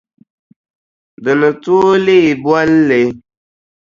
Di ni tooi leei bolli.